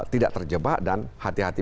tidak terjebak dan hati hati